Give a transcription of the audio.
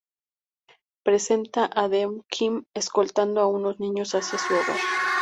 Presenta a "The Kid" escoltando a unos niños hacia su hogar.